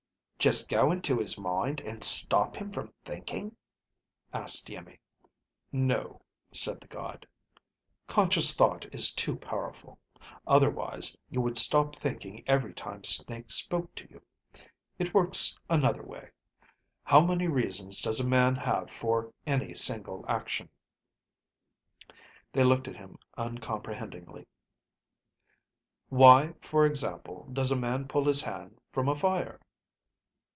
"Just go into his mind and stop him from thinking?" asked Iimmi. "No," said the god. "Conscious thought is too powerful. Otherwise, you would stop thinking every time Snake spoke to you. It works another way. How many reasons does a man have for any single action?" They looked at him uncomprehendingly. "Why, for example, does a man pull his hand from a fire?"